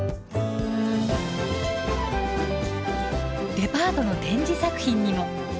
デパートの展示作品にも。